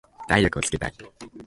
体力をつけたい。